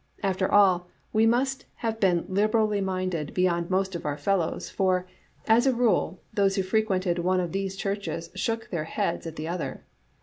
After all, we must have been liberally minded beyond most of our fellows, for, as a rule, those who frequented one of these churches shook their heads at the other.